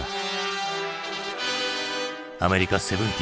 アメリカ７０ｓ。